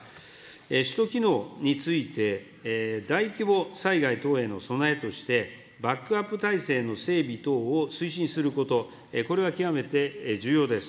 首都機能について、大規模災害等への備えとして、バックアップ体制の整備等を推進すること、これは極めて重要です。